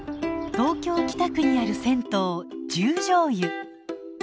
東京・北区にある銭湯十條湯。